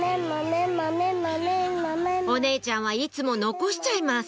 お姉ちゃんはいつも残しちゃいます